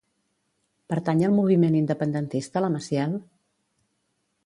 Pertany al moviment independentista la Massiel?